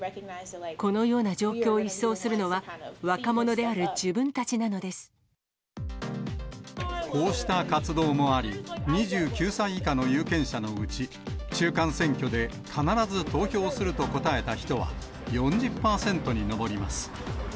このような状況を一掃するのは、こうした活動もあり、２９歳以下の有権者のうち、中間選挙で必ず投票すると答えた人は４０％に上ります。